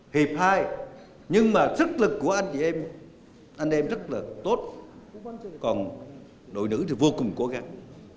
hiệp hai nhưng mà sức lực của anh chị em anh em rất là tốt còn đội nữ thì vô cùng cố gắng